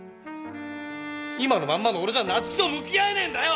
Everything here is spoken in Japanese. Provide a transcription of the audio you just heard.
今のまんまの俺じゃ夏生と向き合えねえんだよ！